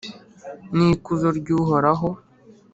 n’ikuzo ry’Uhoraho